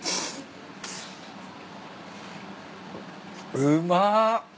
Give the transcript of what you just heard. うま。